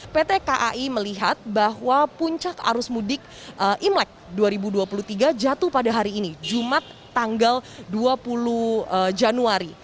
pt kai melihat bahwa puncak arus mudik imlek dua ribu dua puluh tiga jatuh pada hari ini jumat tanggal dua puluh januari